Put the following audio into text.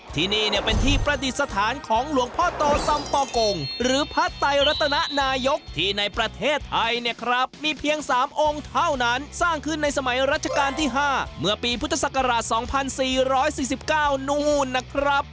ที่นี่เนี่ยเป็นที่ประดิษฐานของหลวงพ่อโตสัมปอกงหรือพระไตรัตนนายกที่ในประเทศไทยเนี่ยครับมีเพียง๓องค์เท่านั้นสร้างขึ้นในสมัยรัชกาลที่๕เมื่อปีพุทธศักราช๒๔๔๙นู่นนะครับ